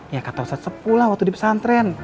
ya kata ustadz sepulah waktu di pesantren